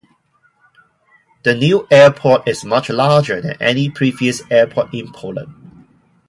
The new airport is much larger than any previous airport in Poland.